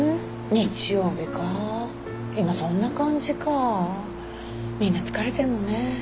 日曜日か今そんな感じかみんな疲れてるのね